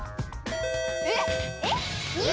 えっ？